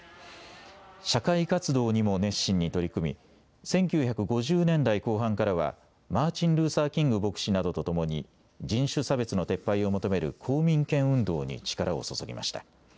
社会活動にも熱心に取り組み、１９５０年代後半からは、マーチン・ルーサー・キング牧師などと共に、人種差別の撤廃を求める公民権運動に力を注ぎました。